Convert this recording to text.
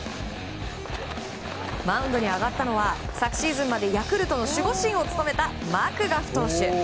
マウンドに上がったのは昨シーズンまでヤクルトの守護神を務めたマクガフ投手。